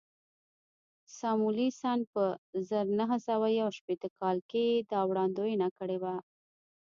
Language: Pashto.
ساموېلسن په زر نه سوه یو شپېته کال کې دا وړاندوینه کړې وه